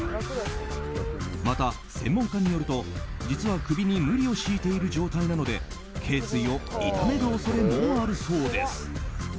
また、専門家によると実は首に無理を強いている状態なので頸椎を痛める恐れもあるそうです。